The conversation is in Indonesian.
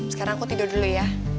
sekarang aku tidur dulu ya